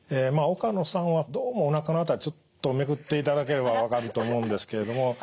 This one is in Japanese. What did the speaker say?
岡野さんはどうもおなかの辺りちょっとめくっていただければ分かると思うんですけれども。